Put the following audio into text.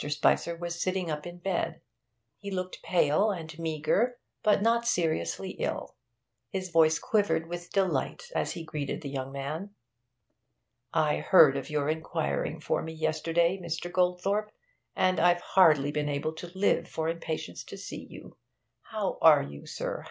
Spicer was sitting up in bed; he looked pale and meagre, but not seriously ill; his voice quivered with delight as he greeted the young man. 'I heard of your inquiring for me yesterday, Mr. Goldthorpe, and I've hardly been able to live for impatience to see you. How are you, sir?